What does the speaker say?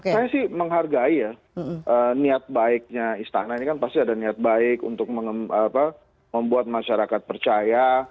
saya sih menghargai ya niat baiknya istana ini kan pasti ada niat baik untuk membuat masyarakat percaya